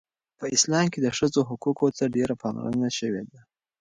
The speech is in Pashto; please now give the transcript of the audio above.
په اسلام کې د ښځو حقوقو ته ډیره پاملرنه شوې ده.